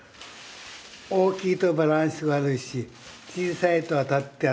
大きいとバランス悪いし小さいと当たって熱くていけないと。